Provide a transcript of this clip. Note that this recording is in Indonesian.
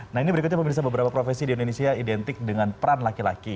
nah ini berikutnya pemirsa beberapa profesi di indonesia identik dengan peran laki laki